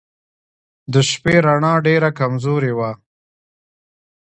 د شپې رڼا ډېره کمزورې وه.